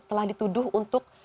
telah dituduh untuk